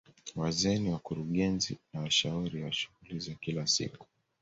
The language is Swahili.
Wazee ni wakurugenzi na washauri wa shughuli za kila siku